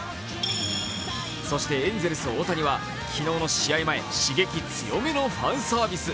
そして、エンゼルス・大谷は昨日の試合前刺激強めのファンサービス。